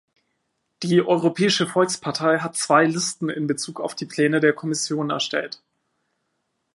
Die Europäische Volkspartei hat zwei Listen in Bezug auf die Pläne der Kommission erstellt.